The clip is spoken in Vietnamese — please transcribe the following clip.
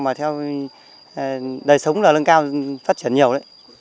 mà theo đời sống là lân cao phát triển nhiều đấy